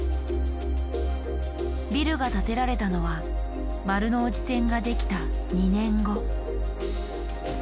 ビルが建てられたのは丸ノ内線が出来た２年後。